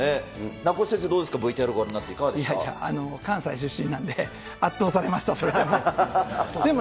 名越先生、どうですか、ＶＴＲごいやいや、関西出身なんで、圧倒されました、それでも。